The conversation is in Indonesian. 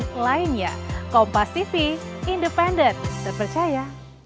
sampai jumpa di video selanjutnya